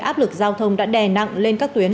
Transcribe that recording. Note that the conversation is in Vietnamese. áp lực giao thông đã đè nặng lên các tuyến